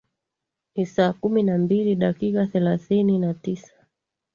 ni saa kumi na mbili dakika thelathini na tisa